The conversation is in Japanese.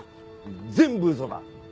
全部嘘だ！